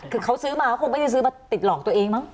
คือเขาซื้อมาเขาคงไม่ได้ซื้อมาติดหลอกตัวเองมั้ง